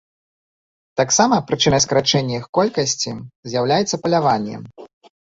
Таксама прычынай скарачэння іх колькасці з'яўляецца паляванне.